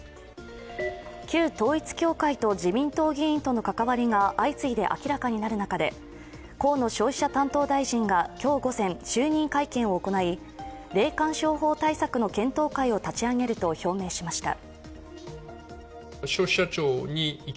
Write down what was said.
旧統一教会と自民党議員との関わりが新たに明らかになる中で河野消費者担当大臣が今日午前、就任会見を行い霊感商法対策の検討会を立ち上げると表明しました。